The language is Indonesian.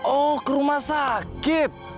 oh ke rumah sakit